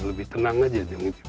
lebih tenang aja